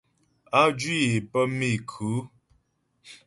Á jwǐ é pə́ méku.